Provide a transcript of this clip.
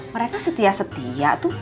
mereka setia setia tuh